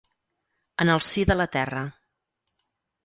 En el si de la terra.